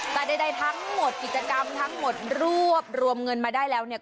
แต่ใดทั้งหมดกิจกรรมทั้งหมดรวบรวมเงินมาได้แล้วเนี่ย